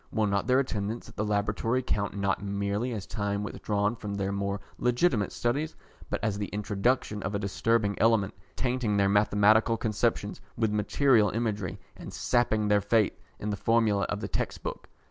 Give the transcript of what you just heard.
Will not their attendance at the Laboratory count not merely as time withdrawn from their more legitimate studies, but as the introduction of a disturbing element, tainting their mathematical conceptions with material imagery, and sapping their faith in the formulae of the textbook?